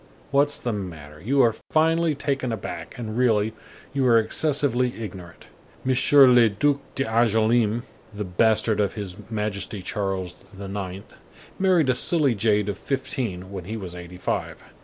What's the matter? You are finely taken aback, and really, you are excessively ignorant. M. le Duc d'Angoulême, the bastard of his Majesty Charles IX., married a silly jade of fifteen when he was eighty five; M.